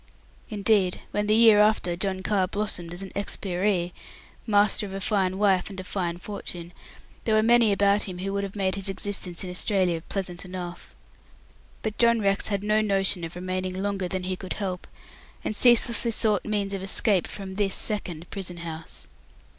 Indeed, when the year after, John Carr blossomed into an "expiree", master of a fine wife and a fine fortune, there were many about him who would have made his existence in Australia pleasant enough. But John Rex had no notion of remaining longer than he could help, and ceaselessly sought means of escape from this second prison house.